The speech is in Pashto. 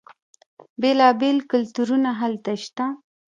بیلا بیل کلتورونه هلته شته.